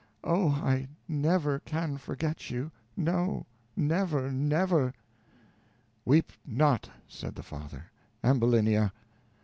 Oh, I never can forget you; no, never, never!" "Weep not," said the father, "Ambulinia.